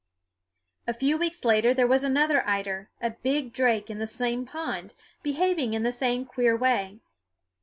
A few weeks later there was another eider, a big drake, in the same pond, behaving in the same queer way.